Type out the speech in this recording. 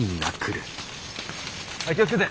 はい気を付けて。